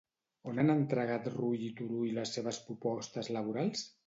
On han entregat Rull i Turull les seves propostes laborals?